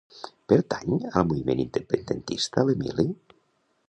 Pertany al moviment independentista l'Emili?